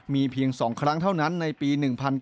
มีเพียง๒ครั้งเท่านั้นในปี๑๙